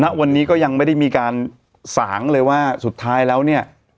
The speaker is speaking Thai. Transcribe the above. ณวันนี้ก็ยังไม่ได้มีการสางเลยว่าสุดท้ายแล้วเนี่ย